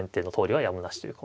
はい。